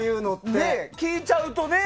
聞いちゃうとね。